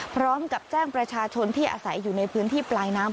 พร้อมกับแจ้งประชาชนที่อาศัยอยู่ในพื้นที่ปลายน้ำ